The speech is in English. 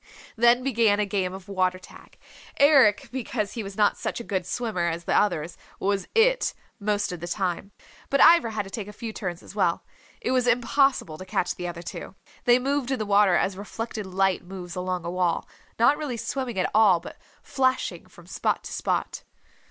Then began a game of water tag. Eric, because he was not such a good swimmer as the others, was It most of the time. But Ivra had to take a few turns as well. It was impossible to catch the other two. They moved in the water as reflected light moves along a wall, not really swimming at all, but flashing from spot to spot.